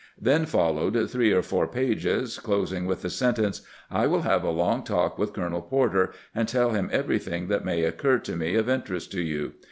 Then followed three or four pages, closing with the sentence :" I will have a long talk with Colonel Porter, and tell him everything that may occur to me of interest to you.